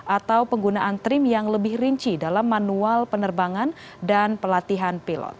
atau penggunaan trim yang lebih rinci dalam manual penerbangan dan pelatihan pilot